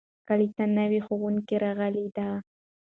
کلي ته نوی ښوونکی راغلی دی.